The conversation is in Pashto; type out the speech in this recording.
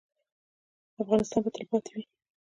افغانستان به تلپاتې وي